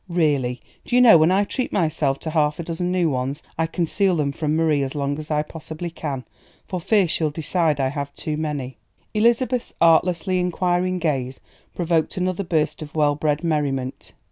Really, do you know when I treat myself to a half dozen new ones I conceal them from Marie as long as I possibly can, for fear she'll decide I have too many." Elizabeth's artlessly inquiring gaze provoked another burst of well bred merriment.